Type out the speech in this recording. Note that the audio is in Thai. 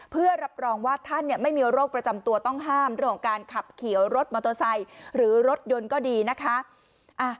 เพื่อรับรองว่าท่านไม่มีโรคประจำตัวต้องห้ามเรื่องของการขับขี่รถมอเตอร์ไซค์หรือรถยนต์ก็ดีนะคะ